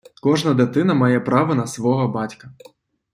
Кожна дитина має право на “свого” батька.